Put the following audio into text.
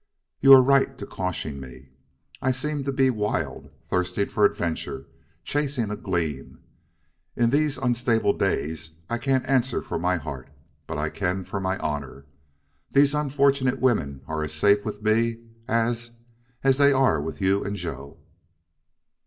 "You are right to caution me. I seem to be wild thirsting for adventure chasing a gleam. In these unstable days I can't answer for my heart. But I can for my honor. These unfortunate women are as safe with me as as they are with you and Joe."